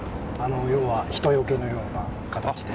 要は、人よけのような形で。